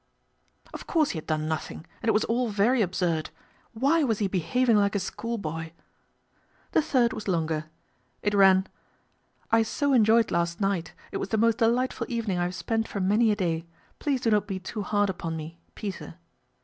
Of course he had done nothing, and it was all very absurd. Why was he behaving like a school boy? The third was longer. It ran :" I so enjoyed last night it was the most delight ful evening I have spent for many a day please do not be too hard upon me peter."